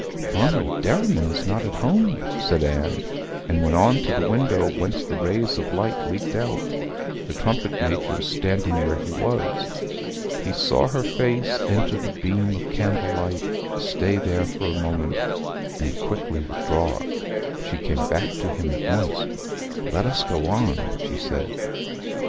Farmer Derriman is not at home,' said Anne, and went on to the window whence the rays of light leaked out, the trumpet major standing where he was. He saw her face enter the beam of candlelight, stay there for a moment, and quickly withdraw. She came back to him at once. 'Let us go on,' she said.